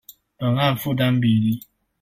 本案負擔比例